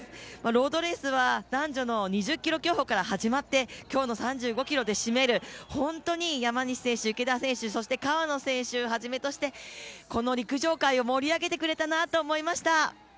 ロードレースは男女の２０ｋｍ競歩から始まって今日の３５ｋｍで締める、本当に山西選手、池田選手、そして川野選手をはじめとしてこの陸上界を盛り上げてくれたなと思いました。